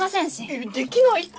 いやできないって。